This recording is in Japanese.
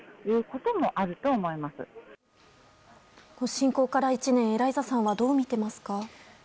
侵攻から１年エライザさんはどう見ていますか。